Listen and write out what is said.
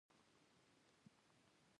قیام الدین خادم د ملا حسام الدین زوی دی.